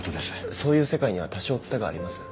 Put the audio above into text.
そういう世界には多少つてがあります。